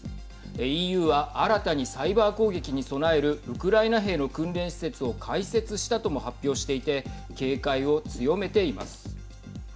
ＥＵは新たにサイバー攻撃に備えるウクライナ兵の訓練施設を開設したとも発表していて警戒を強めています。